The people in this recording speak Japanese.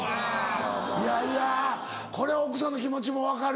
いやいやこれは奥さんの気持ちも分かる。